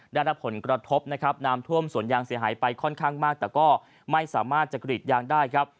ได้รับผลกระทบนะครับน้ำท่วมสวนยางเสียหายไปค่อนข้างมากแต่ก็ไม่สามารถจะกรีดยางได้ครับ